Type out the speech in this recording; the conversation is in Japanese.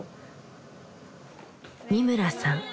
三村さん